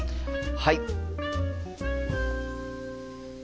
はい！